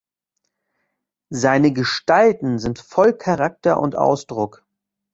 Seine Gestalten sind voll Charakter und Ausdruck.